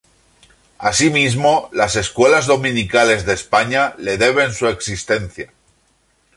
Asimismo, las Escuelas Dominicales de España le deben su existencia.